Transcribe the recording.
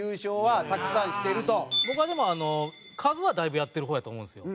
僕はでも数はだいぶやってる方やと思うんですよ。